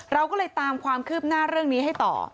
เราก็เลยตามความคืบหน้าเรื่องนี้ให้ต่อ